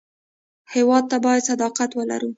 هېواد ته باید صداقت ولرو